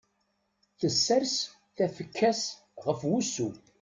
Tessers tafekka-s ɣef wussu.